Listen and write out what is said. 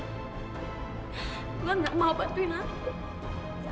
glenn gak mau bantuin aku